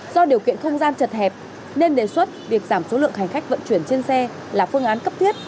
do điều kiện không gian chật hẹp nên đề xuất việc giảm số lượng hành khách vận chuyển trên xe là phương án cấp thiết